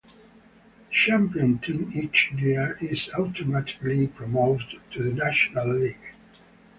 The champion team each year is automatically promoted to the National League.